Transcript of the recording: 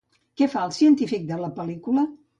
Què fa el científic de la pel·lícula?